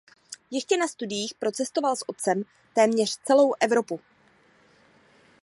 Ještě na studiích procestoval s otcem téměř celou Evropu.